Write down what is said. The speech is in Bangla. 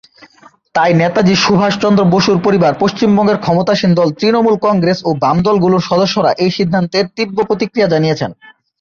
তাই নেতাজি সুভাষচন্দ্র বসুর পরিবার, পশ্চিমবঙ্গের ক্ষমতাসীন দল তৃণমূল কংগ্রেস এবং বাম দলগুলোর সদস্যরা এই সিদ্ধান্তের তীব্র প্রতিক্রিয়া জানিয়েছেন।